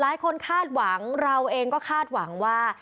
คาดหวังเราเองก็คาดหวังว่า